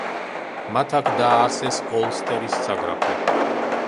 მათ აქ დააარსეს ოლსტერის საგრაფო.